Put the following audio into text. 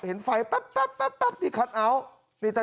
เห็นไฟป๊ะติดคัตเอาท์